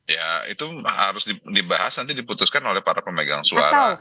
ya itu harus dibahas nanti diputuskan oleh para pemegang suara